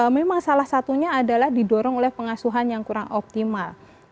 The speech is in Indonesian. memang salah satunya adalah didorong oleh pengasuhan yang kurang optimal